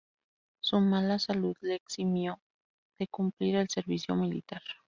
Su mala salud le eximió de cumplir el servicio militar.